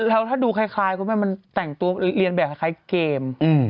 แล้วถ้าดูคล้ายมันแต่งตัวเรียนแบบใคร้เกม